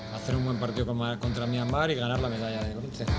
kita harus buat pertandingan yang bagus dengan myanmar dan menangkan medalli